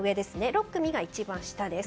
６組が一番下です。